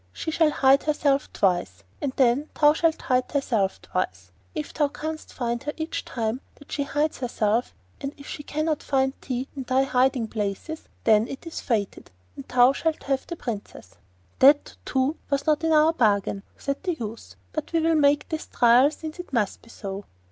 She shall hide herself twice, and then thou shalt hide thyself twice. If thou canst find her each time that she hides herself, and if she cannot find thee in thy hiding places, then it is fated, and thou shalt have the Princess.' 'That, too, was not in our bargain,' said the youth. 'But we will make this trial since it must be so.